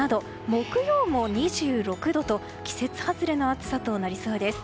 木曜も２６度と季節外れの暑さとなりそうです。